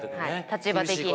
立場的に。